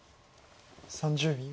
３０秒。